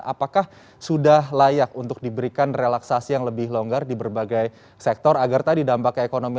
apakah sudah layak untuk diberikan relaksasi yang lebih longgar di berbagai sektor agar tadi dampaknya ekonomi